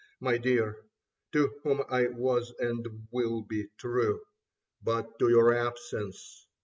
My dear, to whom I was and will be true. 64 Leda But to your absence.